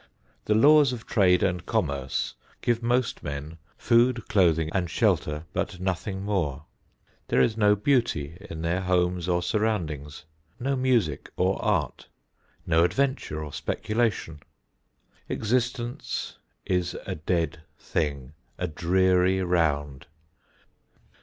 The laws of trade and commerce give most men food, clothing and shelter but nothing more. There is no beauty in their homes or surroundings; no music or art; no adventure or speculation. Existence is a dead thing, a dreary round.